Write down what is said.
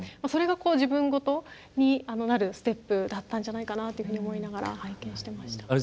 それが自分ごとになるステップだったんじゃないかなっていうふうに思いながら拝見してました。